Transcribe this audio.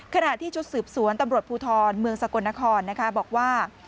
ขณะที่ชุดสืบสวนตำรวจภูทรเมืองสกลนครบอกว่า